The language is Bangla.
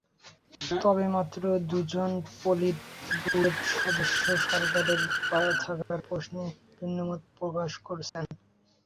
তবে মাত্র দুজন পলিট ব্যুরোর সদস্য সরকারে থাকার প্রশ্নে ভিন্নমত প্রকাশ করেছেন।